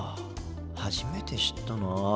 初めて知ったなあ。